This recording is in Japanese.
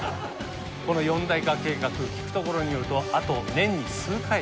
この四大化計画聞くところによるとあと年に数回。